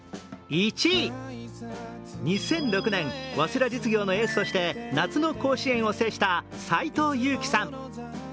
１位、２００６年早稲田実業のエースとして夏の甲子園を制した斎藤佑樹さん。